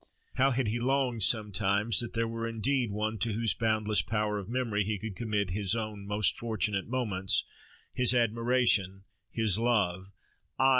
How had he longed, sometimes, that there were indeed one to whose boundless power of memory he could commit his own most fortunate moments, his admiration, his love, Ay!